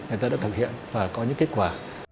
người ta đã thực hiện và có những kết quả